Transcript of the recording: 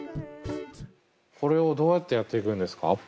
これをどうやってやっていくんですか？